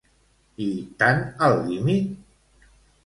I Tan al límit?